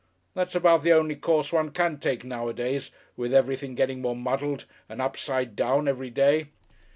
That's about the only course one can take nowadays with everything getting more muddled and upside down every day.